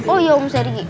oh iya om sergi